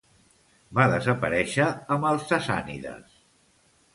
Va desaparèixer amb els sassànides.